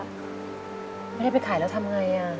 ไม่ได้ไปขายแล้วทำไง